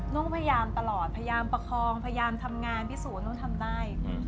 ต้องพยายามตลอดพยายามประคองพยายามทำงานพิสูจน์ต้องทำได้